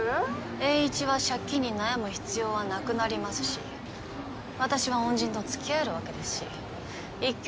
エーイチは借金に悩む必要はなくなりますし私は恩人と付き合えるわけですし一挙